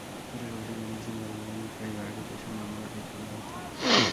এলাকাবাসী জানিয়েছেন, বাড়িভাড়া নিয়ে প্রায়ই ভাড়াটেদের সঙ্গে ওমর আলীর ঝগড়া হতো।